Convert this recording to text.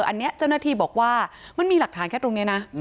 อันนี้เจ้าหน้าที่บอกว่ามันมีหลักฐานแค่ตรงนี้นะ